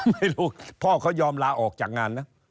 ไม่รู้พ่อเขายอมลาออกจากงานนะ